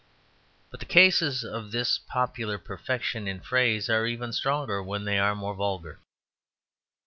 But the cases of this popular perfection in phrase are even stronger when they are more vulgar.